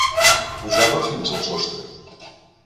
Pujava fins al sostre.